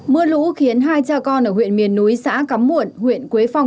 mưa lũ khiến hai cha con ở huyện miền núi xã cắm muộn huyện quế phong